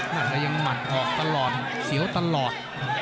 มันก็ยังหมั่นออกตลอดเสียวตลอด